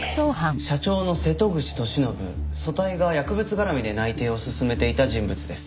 社長の瀬戸口俊信組対が薬物絡みで内偵を進めていた人物です。